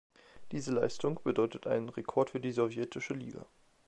Diese Leistung bedeutete einen Rekord für die sowjetische Liga.